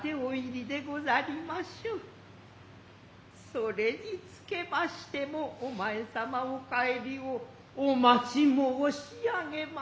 それにつけましても御前様おかへりをお待ち申上げました。